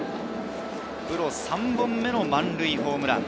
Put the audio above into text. プロ３本目の満塁ホームラン。